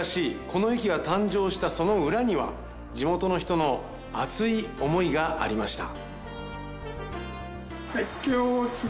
この駅が誕生したその裏には地元の人の熱い思いがありました。